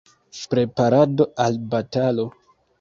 Preparado al batalo.